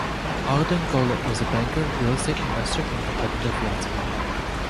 Ogden Goelet was a banker, real estate investor and competitive yachtsmen.